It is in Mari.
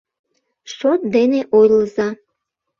Шот дене ойлыза.